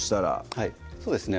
はいそうですね